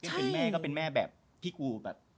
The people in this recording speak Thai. คุณแม่ก็เป็นแม่แบบพี่กูแบบ